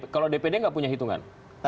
kalau dpd nggak punya hitungan